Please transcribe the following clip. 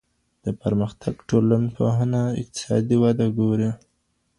د پرمختګ ټولنپوهنه اقتصادي وده ګوري.